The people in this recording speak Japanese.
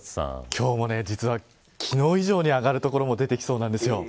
今日も実は昨日以上に上がる所も出てきそうなんです。